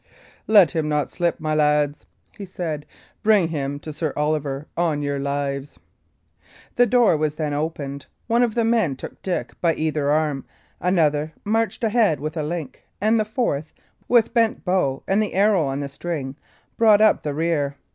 "Let him not slip, my lads," he said. "Bring him to Sir Oliver, on your lives!" The door was then opened; one of the men took Dick by either arm, another marched ahead with a link, and the fourth, with bent bow and the arrow on the string, brought up the rear.